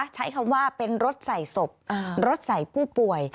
ใช้คำว่าเป็นรถใส่ศพรถใส่ผู้ป่วย